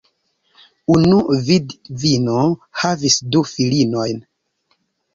Unu vidvino havis du filinojn.